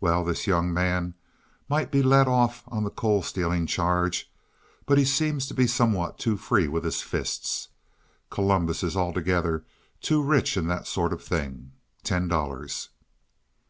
"Well, this young man might be let off on the coal stealing charge, but he seems to be somewhat too free with his fists. Columbus is altogether too rich in that sort of thing. Ten dollars."